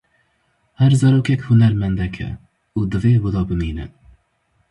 Her zarokek hunermendek e, û divê wilo bimîne.